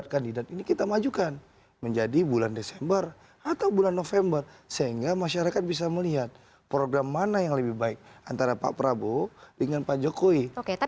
kami ingin ada debat langsung antara pak prabowo dengan pak jokowi